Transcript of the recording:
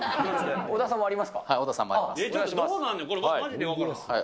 小田さんもあります。